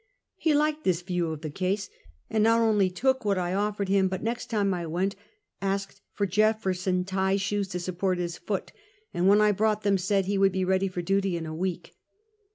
He liked this view of the case, and not only took what I offered him, but next time I went asked for Jefferson tie shoes to support his foot, and when I brought them said he would be ready for duty in a week.